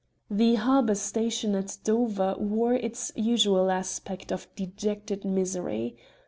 The harbour station at Dover wore its usual aspect of dejected misery.